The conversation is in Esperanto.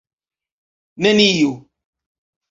neniu